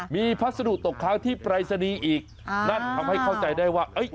มีพัสดุตกค้างที่ปรายศนีย์อีกนั่นทำให้เข้าใจได้ว่าเอ้ย